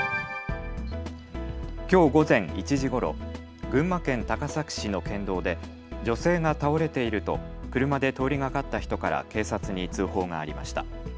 きょう午前１時ごろ、群馬県高崎市の県道で女性が倒れていると車で通りがかった人から警察に通報がありました。